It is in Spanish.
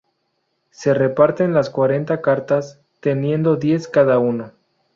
Se reparten las cuarenta cartas, teniendo diez cada uno.